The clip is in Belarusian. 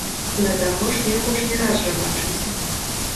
Да таго, ж не апошні раз жа бачымся.